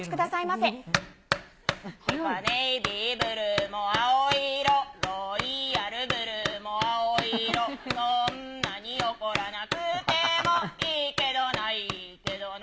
てか、ネイビーブルーも青い色、ロイヤルブルーも青い色、そんなに怒らなくてもいいけどな、いいけどな。